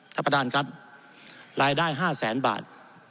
ท่านประธานครับรายได้๕แสนบาท